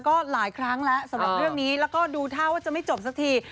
ก็หลายครั้งแล้วสำหรับเรื่องนี้แล้วก็ดูท่าว่าจะไม่จบสักที